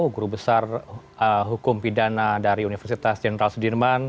guru besar hukum pidana dari universitas jenderal sudirman